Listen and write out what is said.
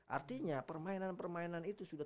artinya permainan permainan itu sudah